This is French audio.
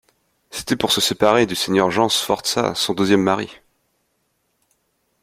C’était pour se séparer du seigneur Jean Sforza, son deuxième mari.